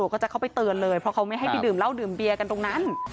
ก็จะเข้าไปเตือนเลยเพราะเขาไม่ให้ไปดื่มเหล้าดื่มเบียร์กันตรงนั้น